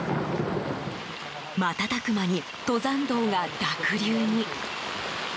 瞬く間に、登山道が濁流に。